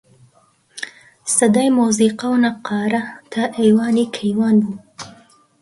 سەدای مۆزیقە و نەققارە تا ئەیوانی کەیوان بوو